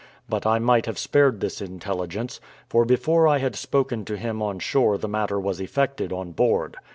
But I might have spared this intelligence, for before I had spoken to him on shore the matter was effected on board.